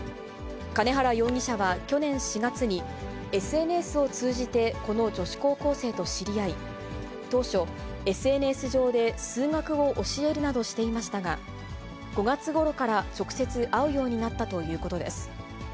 兼原容疑者は去年４月に、ＳＮＳを通じてこの女子高校生と知り合い、当初、ＳＮＳ上で数学を教えるなどしていましたが、５月ごろから直接会うようになったということです。